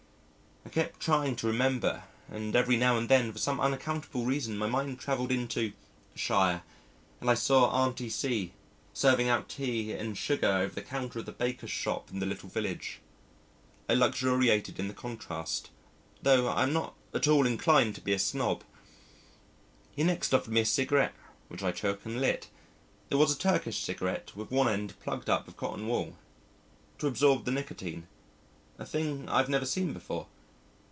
I kept trying to remember and every now and then for some unaccountable reason my mind travelled into shire and I saw Auntie C serving out tea and sugar over the counter of the baker's shop in the little village. I luxuriated in the contrast, tho' I am not at all inclined to be a snob. He next offered me a cigarette, which I took and lit. It was a Turkish cigarette with one end plugged up with cotton wool to absorb the nicotine a, thing I've never seen before.